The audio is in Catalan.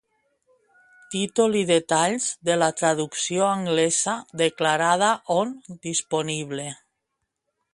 Títol i detalls de la traducció anglesa declarada on disponible.